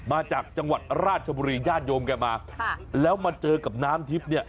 มาจากจังหวัดราชบุรีญาติโยมแกมาแล้วมาเจอกับน้ำทิพย์เนี่ย